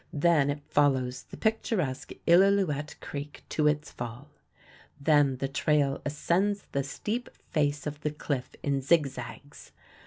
Then it follows the picturesque Illilouette Creek to its fall. Then the trail ascends the steep face of the cliff in zig zags.